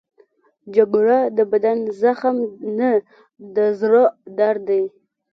جګړه د بدن زخم نه، د زړه درد دی